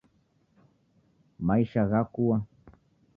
Maisha ghakua